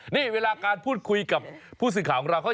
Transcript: นี่เวลาการพูดคุยกับผู้สื่อข่าวของเรา